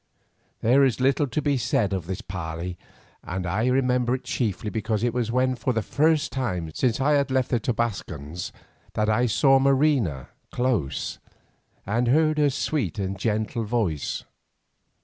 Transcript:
There is little to be said of this parley, and I remember it chiefly because it was then for the first time since I had left the Tobascans that I saw Marina close, and heard her sweet and gentle voice.